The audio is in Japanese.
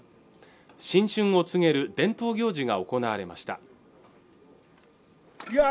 新春を告げる伝統行事が行われました